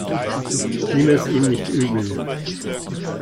Nimm es ihm nicht übel.